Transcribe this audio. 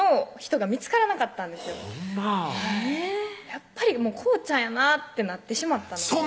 やっぱりこうちゃんやなってなってしまったんです